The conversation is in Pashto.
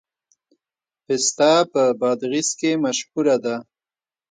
پسته په بادغیس کې مشهوره ده